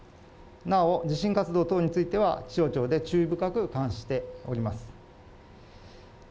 なお、地震活動等については気象庁で注意深く監視しております。